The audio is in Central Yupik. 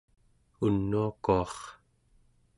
unuakuar